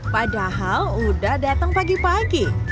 padahal udah datang pagi pagi